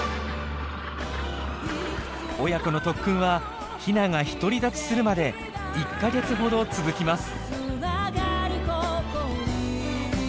親子の特訓はヒナが独り立ちするまで１か月ほど続きます。